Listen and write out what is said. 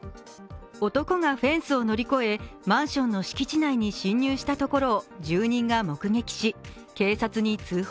男がフェンスを乗り越え、マンションの敷地内に侵入したところを住人が目撃し、警察に通報。